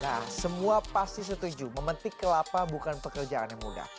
nah semua pasti setuju memetik kelapa bukan pekerjaan yang mudah